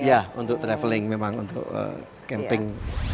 iya untuk traveling memang untuk camping